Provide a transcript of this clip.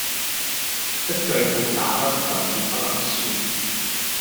一句好打得就是不能輸